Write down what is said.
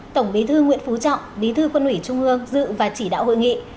tổng bí thư nguyễn phú trọng bí thư quân ủy trung ương dự và chỉ đạo hội nghị